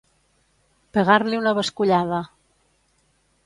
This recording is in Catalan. Pegar-li una bescollada.